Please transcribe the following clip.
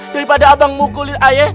daripada abang mukulin ayah